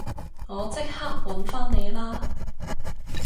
我即刻搵返你啦